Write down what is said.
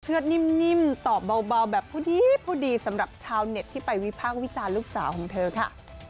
นิ่มตอบเบาแบบผู้ดีผู้ดีสำหรับชาวเน็ตที่ไปวิพากษ์วิจารณ์ลูกสาวของเธอค่ะ